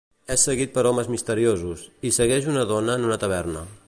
És seguit per homes misteriosos, i segueix una dona en una taverna.